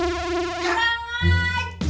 ngapain yang buruk hati kan